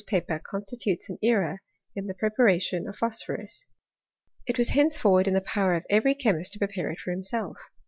The publication of thtt paper constitutes an era in the preparation of phos* phorus : it was henceforward in the power of everj chemist to prepare it for himself.